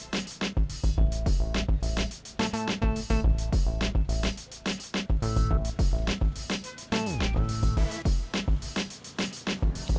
sampai jumpa lagi